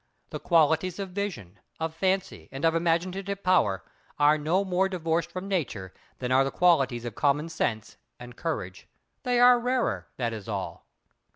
The qualities of vision, of fancy, and of imaginative power, are no more divorced from Nature, than are the qualities of common sense and courage. They are rarer, that is all.